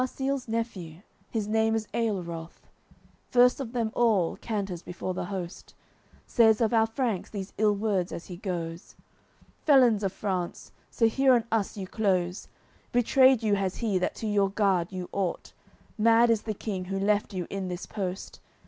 XCIII Marsile's nephew, his name is Aelroth, First of them all canters before the host, Says of our Franks these ill words as he goes: "Felons of France, so here on us you close! Betrayed you has he that to guard you ought; Mad is the King who left you in this post.